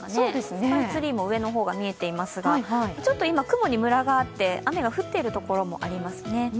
スカイツリーも上のほうが見えていますが、今ちょっと雲にむらがあって雨が降っているところもありますね。